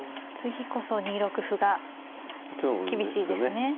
次こそ２六歩が厳しいですね。